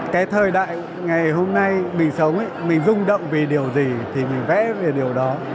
cái thời đại ngày hôm nay mình sống ấy mình rung động vì điều gì thì mình vẽ về điều đó